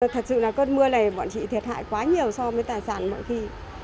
thật sự là cơn mưa này bọn chị thiệt hại quá nhiều so với tài sản mỗi khi